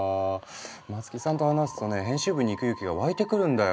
松木さんと話すとね編集部に行く勇気が湧いてくるんだよ。